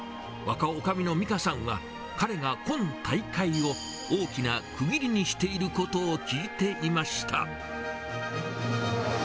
若女将の美佳さんは、彼が今大会を大きな区切りにしていることを聞いていました。